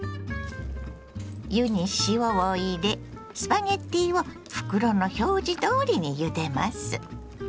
湯に塩を入れスパゲッティを袋の表示どおりにゆでます。